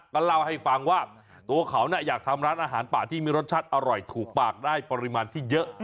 ก็เล่าให้ฟังว่าตัวเขาอยากทำร้านอาหารป่าที่มีรสชาติอร่อยถูกปากได้ปริมาณที่เยอะ